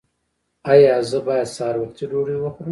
ایا زه باید سهار وختي ډوډۍ وخورم؟